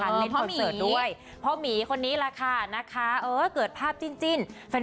ในคอนเสิร์ตด้วยพ่อหมีคนนี้แหละค่ะนะคะเออเกิดภาพจิ้นแฟน